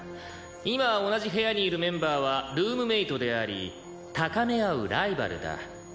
「今同じ部屋にいるメンバーはルームメートであり高め合うライバルだ」